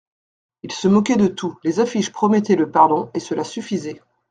Il se moquait de tout, les affiches promettaient le pardon, et cela suffisait.